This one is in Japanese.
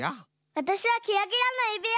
わたしはキラキラのゆびわ！